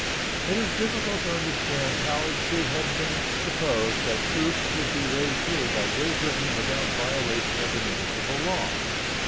It is difficult to understand how it should have been supposed that troops could be raised here by Great Britain without violation of the municipal law.